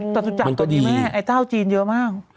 จตุจักรก็ดีแม่ไอ้เจ้าจีนเยอะมาก